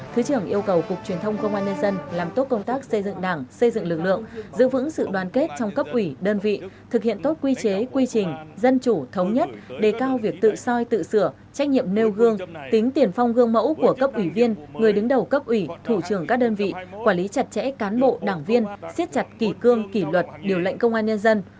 thứ trưởng yêu cầu cục truyền thông công an nhân dân làm tốt công tác xây dựng đảng xây dựng lực lượng giữ vững sự đoàn kết trong cấp ủy đơn vị thực hiện tốt quy chế quy trình dân chủ thống nhất đề cao việc tự soi tự sửa trách nhiệm nêu gương tính tiền phong gương mẫu của cấp ủy viên người đứng đầu cấp ủy thủ trưởng các đơn vị quản lý chặt chẽ cán bộ đảng viên siết chặt kỷ cương kỷ luật điều lệnh công an nhân dân